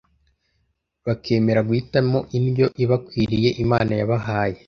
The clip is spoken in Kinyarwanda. bakemera guhitamo indyo ibakwiriye Imana yabahaye,